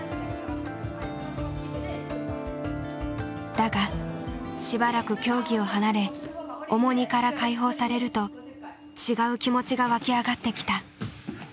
だがしばらく競技を離れ重荷から解放されると違う気持ちが湧き上がってきた。